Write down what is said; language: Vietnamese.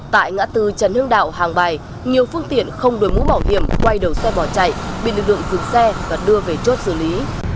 tại ngã tư trần hương đạo hàng bài nhiều phương tiện không đổi mũ bảo hiểm quay đầu xe bỏ chạy bị lực lượng dừng xe và đưa về chốt xử lý